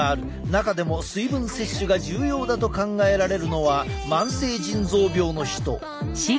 中でも水分摂取が重要だと考えられるのは慢性腎臓病の人。